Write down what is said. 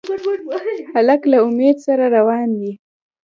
هلک له امید سره روان وي.